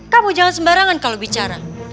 kamu jangan sembarangan kalau bicara